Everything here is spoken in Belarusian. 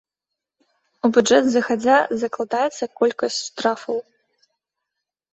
У бюджэт загадзя закладаецца колькасць штрафаў.